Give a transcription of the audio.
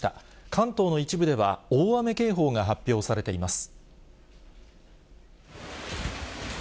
関東の一部では、大雨警報が発表されています。